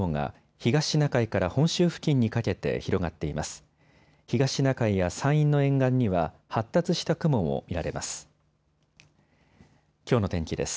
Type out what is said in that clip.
東シナ海や山陰の沿岸には発達した雲も見られます。